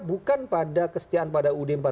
bukan pada kesetiaan pada ud empat puluh lima